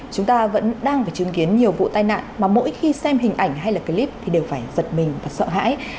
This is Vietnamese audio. chúng ta vẫn đang phải chứng kiến nhiều vụ tai nạn mà mỗi khi xem hình ảnh hay là clip thì đều phải giật mình và sợ hãi